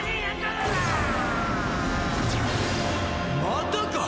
またか！